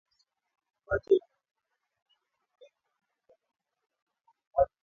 mate majimaji mengine yanayotokea mdomoni puani